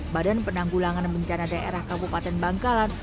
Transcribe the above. badan penanggulangan bencana daerah kabupaten bangkalan